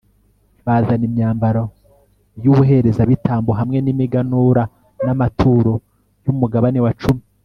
bazana imyambaro y'ubuherezabitambo, hamwe n'imiganura n'amaturo y'umugabane wa cumi